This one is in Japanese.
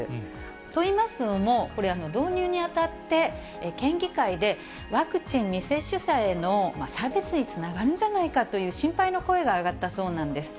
といいますのも、これ、導入にあたって、県議会でワクチン未接種者への差別につながるんじゃないかという心配の声が上がったそうなんです。